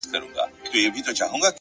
ستا د دواړو سترگو سمندر گلي ـ